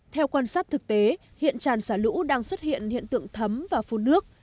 theo quan sát thực tế hiện tràn xả lũ đang xuất hiện hiện tượng thấm và phun nước